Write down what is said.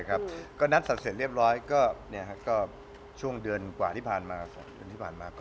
หนัดศัพท์เสร็จเรียบร้อยก็ช่วงเดือนกว่าที่ผ่านมา